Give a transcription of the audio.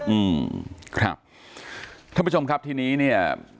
อืมครับท่านผู้ชมครับทีนี้เนี่ย